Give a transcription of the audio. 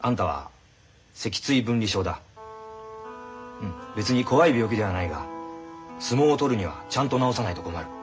うん別に怖い病気ではないが相撲を取るにはちゃんと治さないと困る。